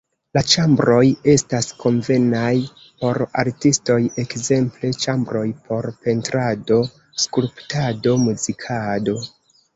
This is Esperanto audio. La ĉambroj estas konvenaj por artistoj, ekzemple ĉambroj por pentrado, skulptado, muzikado.